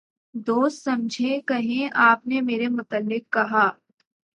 دوست سمجھے کہیں آپ نے میرے متعلق کہا